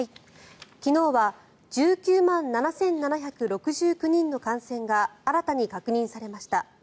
昨日は１９万７７６９人の感染が新たに確認されました。